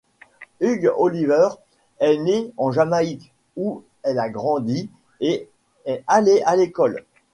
Hughes-Oliver est née en Jamaïque, où elle a grandi et est allée à l'école.